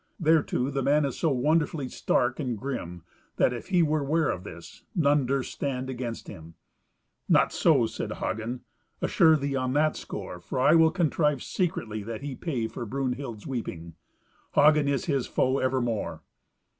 Thereto the man is so wonderly stark and grim, that, if he were ware of this, none durst stand against him." "Not so," said Hagen. "Assure thee on that score. For I will contrive secretly that he pay for Brunhild's weeping. Hagen is his foe evermore."